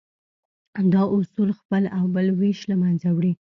دا اصول خپل او بل وېش له منځه وړي.